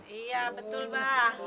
iya betul ba